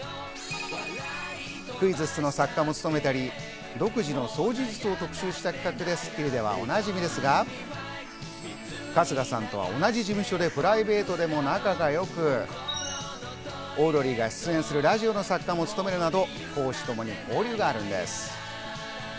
クイズッスの作家も務めたり、独自の掃除術を特集した企画で『スッキリ』ではおなじみですが、春日さんとは同じ事務所でプライベートでも仲が良く、オードリーが出演するラジオの作家も務めるなど、公私ともに交流があるんです。